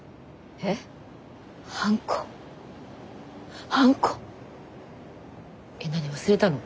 えっ何忘れたの？